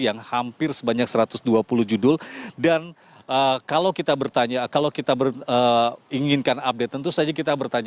yang hampir sebanyak satu ratus dua puluh judul dan kalau kita bertanya kalau kita inginkan update tentu saja kita bertanya